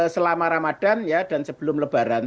selama ramadan dan sebelum lebaran